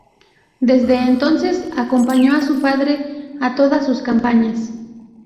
Desde entonces acompañó a su padre en todas sus campañas.